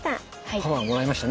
パワーもらいましたね